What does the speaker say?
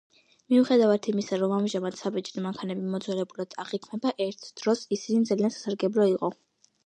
მიუხედავად იმისა, რომ ამჟამად საბეჭდი მანქანები მოძველებულად აღიქმება, ერთ დროს ისინი ძალიან სასარგებლო იყო.